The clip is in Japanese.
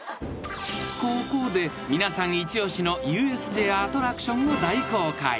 ［ここで皆さん一押しのＵＳＪアトラクションを大公開］